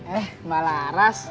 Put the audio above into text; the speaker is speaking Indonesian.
eh mbak laras